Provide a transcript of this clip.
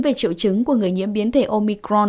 về triệu chứng của người nhiễm biến thể omicron